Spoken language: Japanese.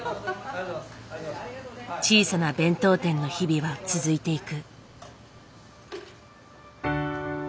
小さな弁当店の日々は続いていく。